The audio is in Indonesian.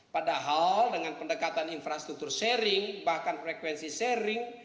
padahal dengan pendekatan infrastruktur sharing bahkan frekuensi sharing